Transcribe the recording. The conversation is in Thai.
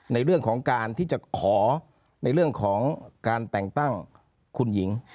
ในเรื่องของการที่จะขอในเรื่องของการแต่งตั้งคุณหญิง